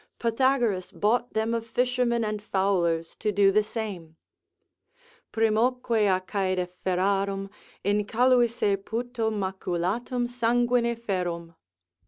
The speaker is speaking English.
Pythagoras bought them of fishermen and fowlers to do the same: "Primoque a caede ferarum, Incaluisse puto maculatum sanguine ferrum."